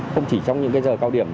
không chỉ trong những cái giờ cao điểm